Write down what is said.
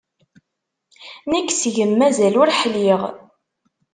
Nekk seg-m mazal ur ḥliɣ.